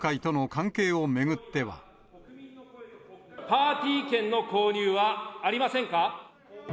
パーティー券の購入はありませんか？